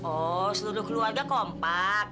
oh seluruh keluarga kompak